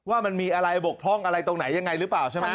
อะไรบกพร่องอะไรตรงไหนอย่างไรหรือเปล่าใช่ไหม